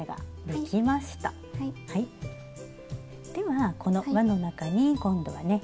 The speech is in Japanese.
はこのわの中に今度はね